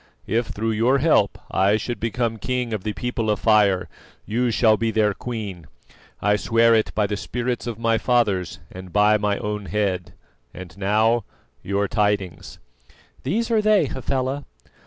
If through your help I should become King of the People of Fire, you shall be their Queen, I swear it by the spirits of my fathers and by my own head. And now your tidings." "These are they, Hafela.